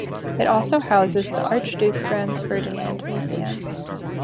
It also houses the Archduke Franz Ferdinand Museum.